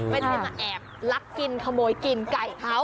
ไม่ได้มาแอบลักกินขโมยกินไก่เขา